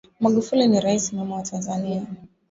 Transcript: Magufuli ni raisi mwema wa tanzania